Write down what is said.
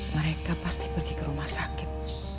mereka pasti pergi ke rumah sakit